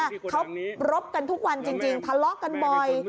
เขารบกันทุกวันจริงทะเลาะกันบ่อย